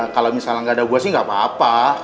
kalau misalnya nggak ada gue sih nggak apa apa